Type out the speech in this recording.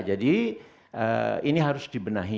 jadi ini harus dibenahi